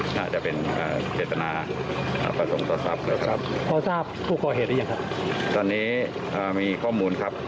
ตอนนี้มีข้อมูลครับ